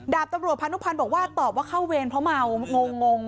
ดาบตำรวจพานุพันธ์บอกว่าตอบว่าเข้าเวรเพราะเมางง